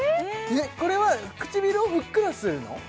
これは唇をふっくらするの？